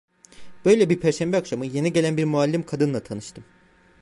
Böyle bir perşembe akşamı, yeni gelen bir muallim kadınla tanıştım.